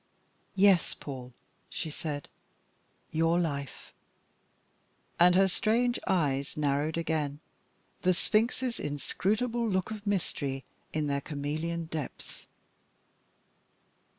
"Yes, Paul," she said, "your life" and her strange eyes narrowed again, the Sphinx's inscrutable look of mystery in their chameleon depths.